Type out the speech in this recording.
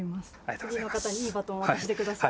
次の方にいいバトンを渡してください。